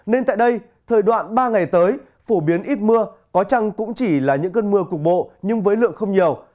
nên tại đây thời đoạn ba ngày tới phổ biến ít mưa có chăng cũng chỉ là những cơn mưa cục bộ nhưng với lượng không nhiều